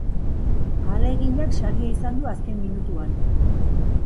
Ahaleginak saria izan du azken minutuan.